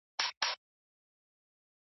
لویه فاجعه په جګړې کې نه پټیږي.